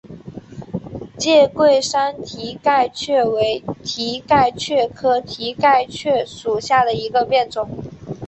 介贵山蹄盖蕨为蹄盖蕨科蹄盖蕨属下的一个变种。